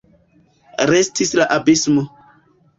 Restis la abismo.